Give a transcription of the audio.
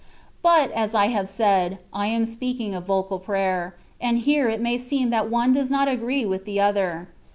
But (as I have said) I am speaking of vocal prayer; and here it may seem that one does not agree with the other.